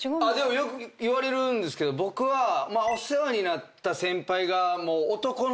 よく言われるんですけど僕はお世話になった先輩が男飲み先輩だったので。